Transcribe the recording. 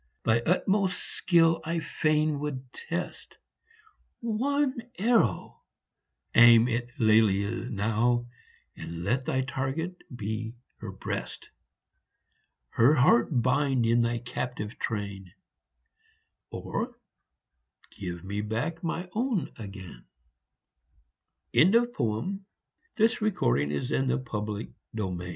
Thy utmost skill I fain would test ; One arrow aim at Lelia now, And let thy target be her breast ! Her heart bind in thy captive train, Or give me back my own again 1 THE DREAM OF LOVE. I VE had the